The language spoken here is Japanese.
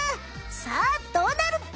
さあどうなる？